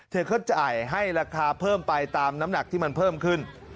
เธอก็จ่ายให้ราคาเพิ่มไปตามน้ำหนักที่มันเพิ่มขึ้น